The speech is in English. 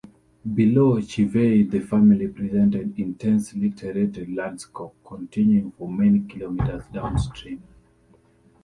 Below Chivay the valley presents intensely terraced landscapes, continuing for many kilometers downstream.